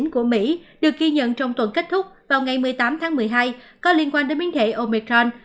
của mỹ được ghi nhận trong tuần kết thúc vào ngày một mươi tám tháng một mươi hai có liên quan đến biến thể omecron